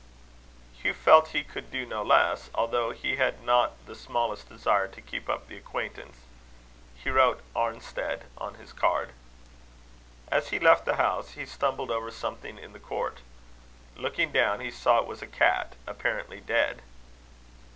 Hugh felt he could do no less, although he had not the smallest desire to keep up the acquaintance. He wrote Arnstead on his card. As he left the house, he stumbled over something in the court. Looking down, he saw it was a cat, apparently dead.